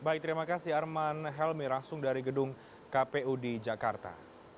baik terima kasih arman helmi langsung dari gedung kpu di jakarta